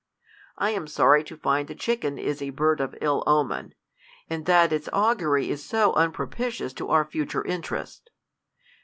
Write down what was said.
I am sorry to find the chicken is a bird of ill omen, and that its augury is so unpropi tious to our future interests.